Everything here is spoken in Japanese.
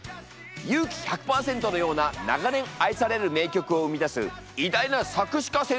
「勇気１００％」のような長年愛される名曲を生み出す偉大な作詞家先生だ！